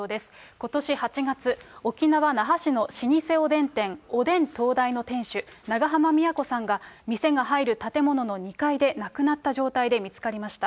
ことし８月、沖縄・那覇市の老舗おでん店、おでん東大の店主、長濱美也子さんが店が入る建物の２階で亡くなった状態で見つかりました。